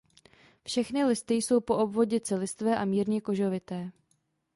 Všechny listy jsou po obvodě celistvé a mírně kožovité.